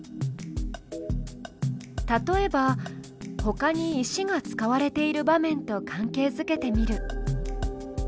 例えばほかに石が使われている場面と関係づけてみる。